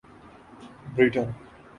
Britain